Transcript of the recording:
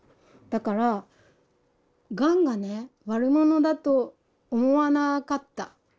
だからがんがね悪者だと思わなかった。